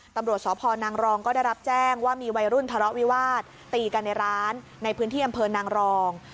ตำรวจสพนางรองก็ได้รับแจ้งว่ามีวัยรุ่นทะเลาะวิวาสตีกันในร้านในพื้นที่อำเภอนางรอง